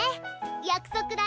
約束だよ。